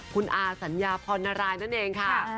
คุณอาสัญญาพรณรายนั่นเองค่ะ